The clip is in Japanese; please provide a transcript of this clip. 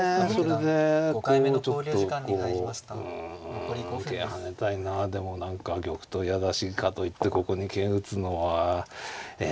それでこうちょっとこううん桂跳ねたいなでも何か玉頭嫌だしかといってここに桂打つのはえ